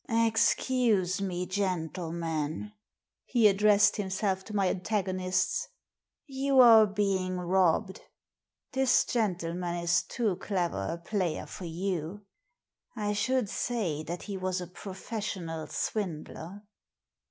"Excuse me, gentlemen!" — he addressed himself to my antagonists — ^"you are being robbed. This gentleman is too clever a player for you. I should say that he was a professional swindler